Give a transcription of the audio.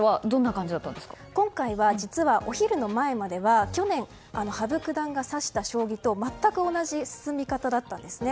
今回はお昼の前までは去年、羽生九段が指した将棋と全く同じ進み方だったんですね。